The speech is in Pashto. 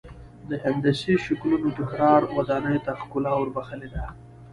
د هندسي شکلونو تکرار ودانیو ته ښکلا ور بخښلې ده.